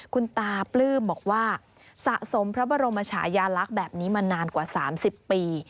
คุณตาปลื้มบอกว่าสะสมพระบรมชายาลักษณ์แบบนี้มานานกว่า๓๐ปี